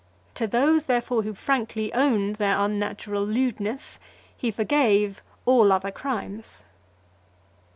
To those, therefore, who frankly owned their unnatural lewdness, he forgave all other crimes.